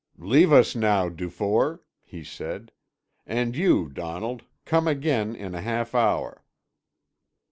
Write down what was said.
"Leave us now, Dufour," he said. "And you, Donald, come again in a half hour."